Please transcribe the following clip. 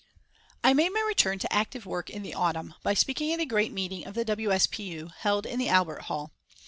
I made my return to active work in the autumn by speaking at a great meeting of the W. S. P. U., held in the Albert Hall.